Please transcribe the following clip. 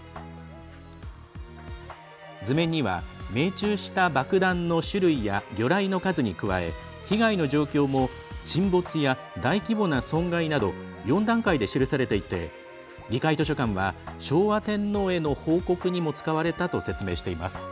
図面には命中した爆弾の種類や魚雷の数に加え被害の状況も沈没や、大規模な損害など４段階で記されていて議会図書館は昭和天皇への報告にも使われたと説明しています。